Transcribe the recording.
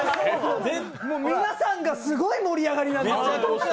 皆さんがすごい盛り上がりなんです。